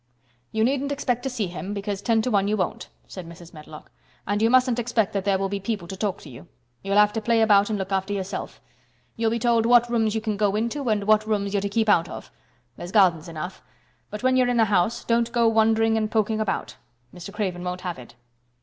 "You needn't expect to see him, because ten to one you won't," said Mrs. Medlock. "And you mustn't expect that there will be people to talk to you. You'll have to play about and look after yourself. You'll be told what rooms you can go into and what rooms you're to keep out of. There's gardens enough. But when you're in the house don't go wandering and poking about. Mr. Craven won't have it."